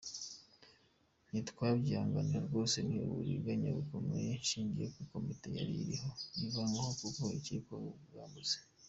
Ntitwabyihanganira rwose ni uburiganya bukomeye, nshigikiye ko Komite yari iriho ivanwaho kuko iracyekwaho ubwambuzi.